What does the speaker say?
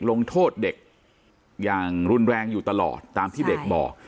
ลงโทษเด็กอย่างรุนแรงอยู่ตลอดตามที่เด็กบอก